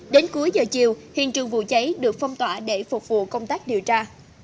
đến cuối giờ chiều hiện trường vụ cháy được phong tỏa để phục vụ công tác điều tra